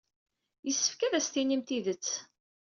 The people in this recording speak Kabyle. Yessefk ad asen-tinim tidet.